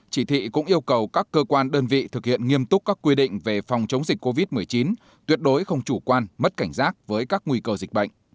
chỉ thị cũng yêu cầu các cơ quan đơn vị thực hiện nghiêm túc các quy định về phòng chống dịch covid một mươi chín tuyệt đối không chủ quan mất cảnh giác với các nguy cơ dịch bệnh